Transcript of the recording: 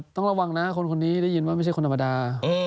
ต้องระวังนะคนนี้ได้ยินว่าไม่ใช่คนธรรมดา